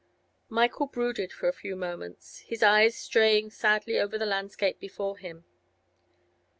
Michael brooded for a few moments, his eyes straying sadly over the landscape before him.